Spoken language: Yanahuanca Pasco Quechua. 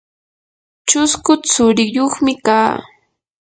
chusku tsuriyuqmi kaa.